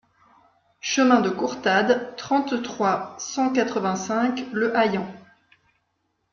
Chemin de Courtade, trente-trois, cent quatre-vingt-cinq Le Haillan